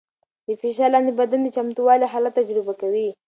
د فشار لاندې بدن د چمتووالي حالت تجربه کوي.